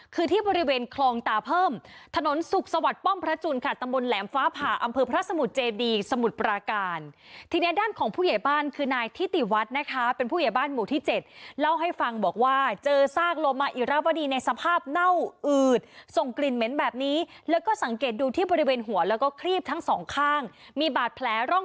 คือที่บริเวณคลองตาเพิ่มถนนสุขสวัสดิ์ป้อมพระจุลค่ะตำบลแหลมฟ้าผ่าอำเภอพระสมุทรเจดีสมุทรปราการทีนี้ด้านของผู้ใหญ่บ้านคือนายทิติวัฒน์นะคะเป็นผู้ใหญ่บ้านหมู่ที่เจ็ดเล่าให้ฟังบอกว่าเจอซากโลมาอิราวดีในสภาพเน่าอืดส่งกลิ่นเหม็นแบบนี้แล้วก็สังเกตดูที่บริเวณหัวแล้วก็ครีบทั้งสองข้างมีบาดแผลร่อง